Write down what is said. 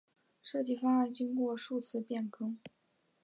设计方案经过数次变更。